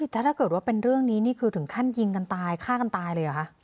ถ้าเกิดว่าเป็นเรื่องนี้นี่คือถึงขั้นยิงกันตายฆ่ากันตายเลยเหรอคะ